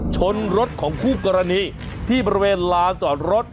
ชนรถของคู่กรณีที่บริเวณลานจอดรถ